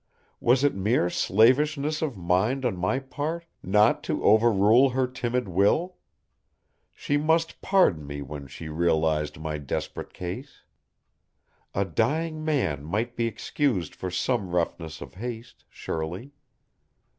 Was it mere slavishness of mind on my part not to overrule her timid will? She must pardon me when she realized my desperate case. A dying man might be excused for some roughness of haste, surely.